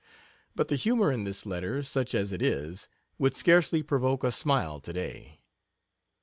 But the humor in this letter, such as it is, would scarcely provoke a smile to day.